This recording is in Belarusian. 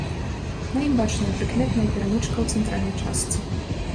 На ім бачная прыкметная перамычка ў цэнтральнай частцы.